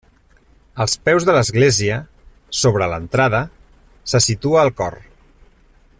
Als peus de l'església, sobre l'entrada, se situa el cor.